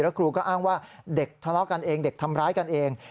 ครูก็อ้างว่าเด็กทะเลาะกันเองเด็กทำร้ายกันเอง